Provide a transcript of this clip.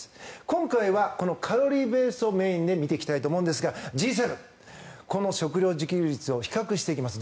今回はこのカロリーベースをメインで見ていきたいと思いますがＧ７、この食料自給率を比較していきます。